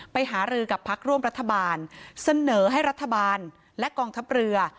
หารือกับพักร่วมรัฐบาลเสนอให้รัฐบาลและกองทัพเรือ